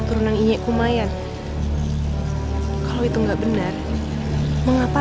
dan aku harap